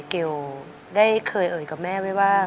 เกลได้เคยเอ่ยกับแม่ไว้ว่า